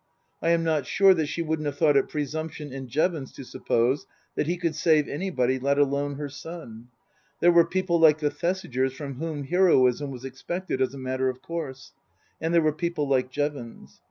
I am not sure that she wouldn't have thought it presumption in Jevons to suppose that he could save anybody, let alone her son. There were people like the Thesigers from whom heroism was expected as a matter of course ; and there were people like Jevons.